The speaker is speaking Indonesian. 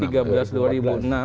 jadi tiga belas dua ribu enam